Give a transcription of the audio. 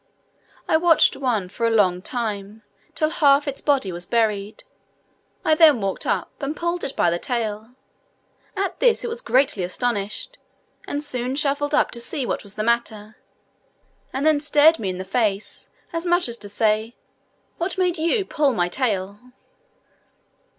I watched one for a long time, till half its body was buried; I then walked up and pulled it by the tail, at this it was greatly astonished, and soon shuffled up to see what was the matter; and then stared me in the face, as much as to say, "What made you pull my tail?"